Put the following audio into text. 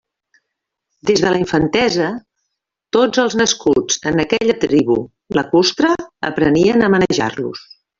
Des de la infantesa, tots els nascuts en aquella tribu lacustre aprenien a manejar-los.